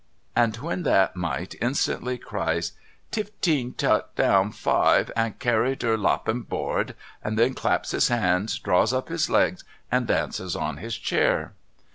and when that Mite instantly cries ' Tifteen, tut down tive and carry ler 'toppin board ' and then claps his hands draws up his legs and dances on his chair.